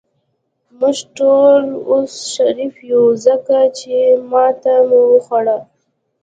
موږ ټول اوس شریف یو، ځکه چې ماته مو وخوړه.